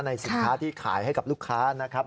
สินค้าที่ขายให้กับลูกค้านะครับ